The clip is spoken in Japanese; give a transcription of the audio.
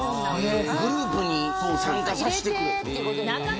グループに参加させてくれとか。